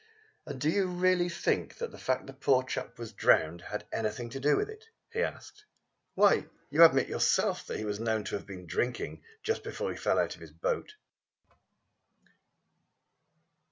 "And do you really think that the fact that the poor chap was drowned had anything to do with it?" he asked. "Why, you admit yourself that he was known to have been drinking just before he fell out of his boat!"